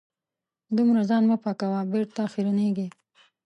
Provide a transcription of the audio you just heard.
دومره ځان مه پاکوه .بېرته خیرنېږې